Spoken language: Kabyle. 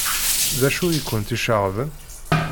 D acu ay kent-iceɣben?